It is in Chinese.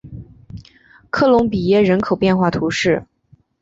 科隆比耶人口变化图示